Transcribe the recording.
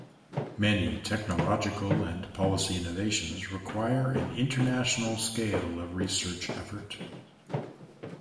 Many technological and policy innovations require an international scale of research effort.